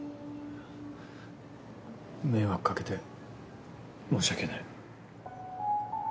迷惑掛けて申し訳ない。